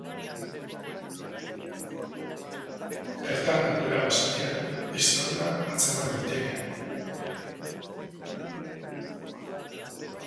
Bertan, natura basatiaren eztanda antzeman daiteke.